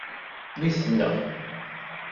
Mmi-tneɣ.